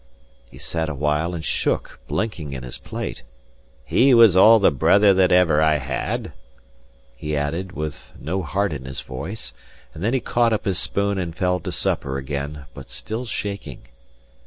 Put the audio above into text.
He sat awhile and shook, blinking in his plate: "He was all the brother that ever I had," he added, but with no heart in his voice; and then he caught up his spoon and fell to supper again, but still shaking.